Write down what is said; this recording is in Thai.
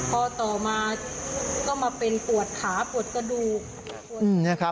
พอต่อมาก็มาเป็นปวดขาปวดกระดูก